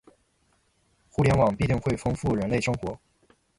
互联网必定会丰富人类生活